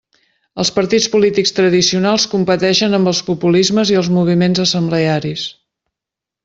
Els partits polítics tradicionals competeixen amb els populismes i els moviments assemblearis.